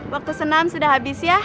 waktu senam sudah habis ya